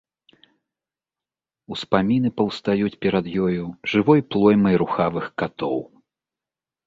Успаміны паўстаюць перад ёю жывой плоймай рухавых катоў.